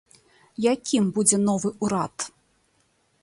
Якім будзе новы ўрад?